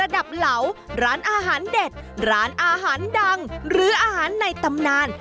เหลาร้านอาหารเด็ดร้านอาหารดังหรืออาหารในตำนาน